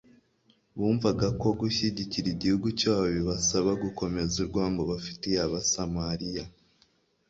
Bumvaga ko gushyigikira igihugu cyabo bibasaba gukomeza urwango bafitiye Abasamariya